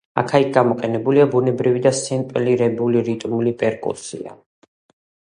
აქა-იქ გამოყენებულია ბუნებრივი და სემპლირებული რიტმული პერკუსია.